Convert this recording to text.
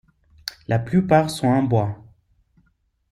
La plupart sont en bois.